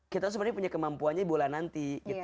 kita sebenarnya punya kemampuannya di bulan nanti gitu